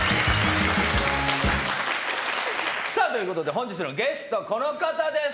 本日のゲスト、この方です！